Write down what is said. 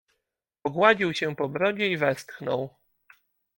"Pogładził się po brodzie i westchnął."